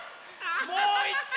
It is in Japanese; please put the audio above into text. もういっちょ！